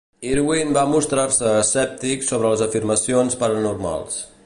Irwin va mostrar-se escèptic sobre les afirmacions paranormals.